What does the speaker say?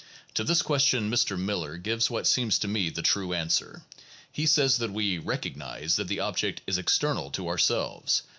" To this question Mr. Miller gives what seems to me the true answer. He says that we "recognize that the object is external to ourselves ...